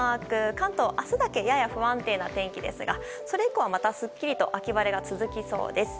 関東は明日だけやや不安定な天気ですがそれ以降はまたすっきり秋晴れとなりそうです。